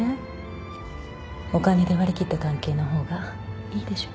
お金で割り切った関係の方がいいでしょ？